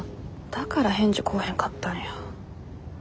だから返事こーへんかったんや。